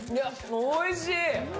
おいしい。